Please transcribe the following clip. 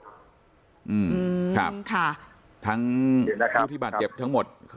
อืมครับทั้งผู้ที่บาดเจ็บทั้งหมด